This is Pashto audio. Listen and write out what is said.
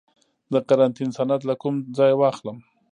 د قرنطین سند له کوم ځای واخلم؟